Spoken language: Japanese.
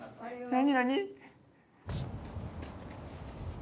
何？